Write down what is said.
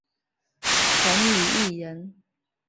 陈与义人。